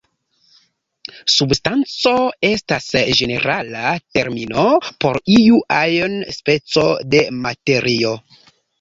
Substanco estas ĝenerala termino por iu ajn speco de materio.